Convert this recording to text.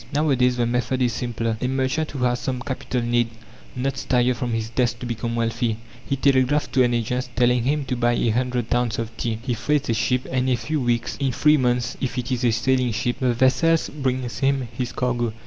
Nowadays the method is simpler. A merchant who has some capital need not stir from his desk to become wealthy. He telegraphs to an agent telling him to buy a hundred tons of tea; he freights a ship, and in a few weeks, in three months if it is a sailing ship, the vessels brings him his cargo.